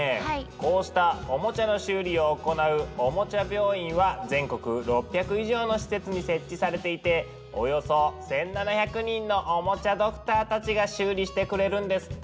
こうしたおもちゃの修理を行う「おもちゃ病院」は全国６００以上の施設に設置されていておよそ１，７００人のおもちゃドクターたちが修理してくれるんですって！